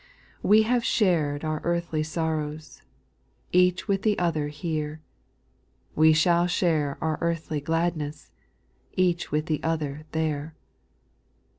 9. We have shared our earthly sorrows, Each with the other here ; We shall share our earthly gladness. Each with the other there.